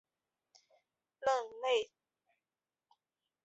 任内建台湾府儒学宫。